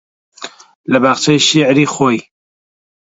لە باخچەی شێعری خۆی